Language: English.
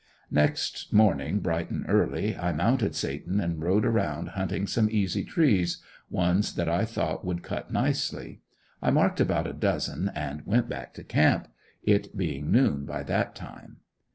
Next morning bright and early I mounted Satan and rode around hunting some easy trees ones that I thought would cut nicely. I marked about a dozen and went back to camp, it being noon by that time.